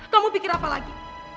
kamu pikir apa lagi